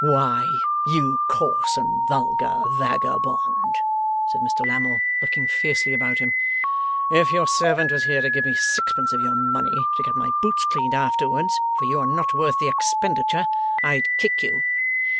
'Why, you coarse and vulgar vagabond!' said Mr Lammle, looking fiercely about him, 'if your servant was here to give me sixpence of your money to get my boots cleaned afterwards for you are not worth the expenditure I'd kick you.